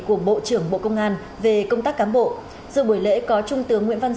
của bộ trưởng bộ công an về công tác cám bộ